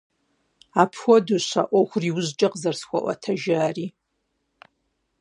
Апхуэдэущ а Ӏуэхур иужькӀэ къызэрысхуаӀуэтэжари.